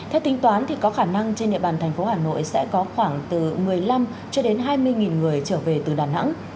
theo tính toán có khả năng trên địa bàn thành phố hà nội sẽ có khoảng từ một mươi năm cho đến hai mươi người trở về từ đà nẵng